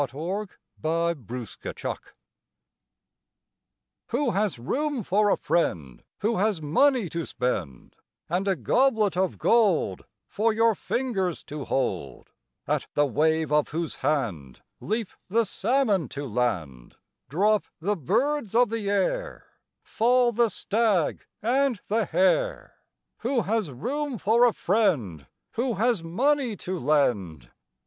A FRIEND IN NEED Who has room for a friend Who has money to spend, And a goblet of gold For your fingers to hold, At the wave of whose hand Leap the salmon to land, Drop the birds of the air, Fall the stag and the hare. Who has room for a friend Who has money to lend?